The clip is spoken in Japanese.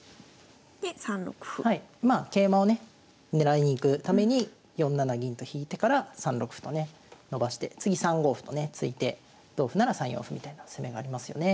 まあ桂馬をね狙いに行くために４七銀と引いてから３六歩とね伸ばして次３五歩とね突いて同歩なら３四歩みたいな攻めがありますよね。